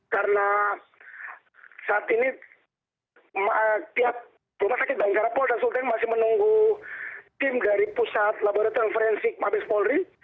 karena saat ini tiap rumah sakit bayangkara pol dan sultan masih menunggu tim dari pusat laboratorium forensik mabes polri